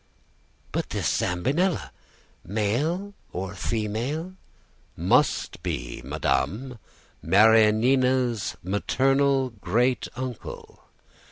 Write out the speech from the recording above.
"But this Zambinella, male or female " "Must be, madame, Marianina's maternal great uncle.